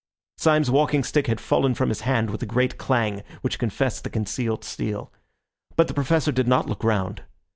Syme's walking stick had fallen from his hand with a great clang, which confessed the concealed steel. But the Professor did not look round.